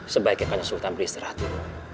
sebaiknya kanjang sultan beristirahat dulu